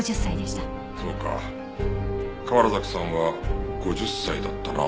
そうか河原崎さんは５０歳だったな。